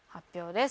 です！